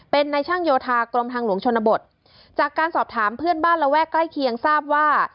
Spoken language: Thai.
เป็นในช่างโยธากรมทางหลวงชนบทจากการสอบถามเพื่อนบ้านระแวกใกล้เคียงทราบว่า